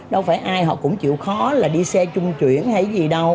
đâu phải ai họ cũng chịu khó là đi xe trung chuyển hay gì đâu